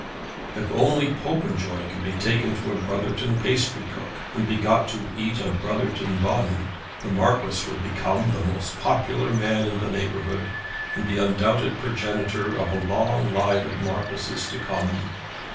If only Popenjoy could be taken to a Brotherton pastrycook, and be got to eat a Brotherton bun, the Marquis would become the most popular man in the neighbourhood, and the undoubted progenitor of a long line of Marquises to come.